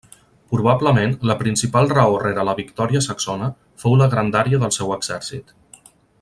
Probablement, la principal raó rere la victòria saxona fou la grandària del seu exèrcit.